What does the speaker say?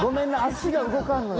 足が動かんのよ。